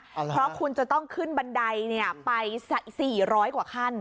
เพราะคุณจะต้องขึ้นบันไดไป๔๐๐กว่าขั้น